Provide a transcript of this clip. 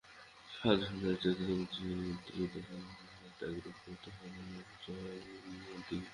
আদর্শ নারীচরিত্রগুলি ছাত্রীদের সামনে সর্বদা ধরে উচ্চ ত্যাগরূপ ব্রতে তাদের অনুরাগ জন্মে দিতে হবে।